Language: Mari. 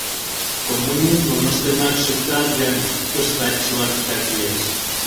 Коммунизмым ыштенак шуктат гын, туштат чыла тидак лиеш.